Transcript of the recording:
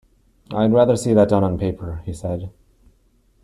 ‘I’d rather see that done on paper,’ he said.